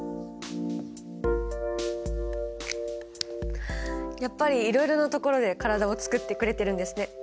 やっぱりいろいろなところで体をつくってくれてるんですね。